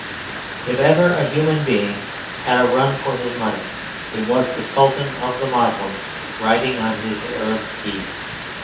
If ever a human being had a run for his money, it was the Sultan of the Moslems riding on his Arab steed.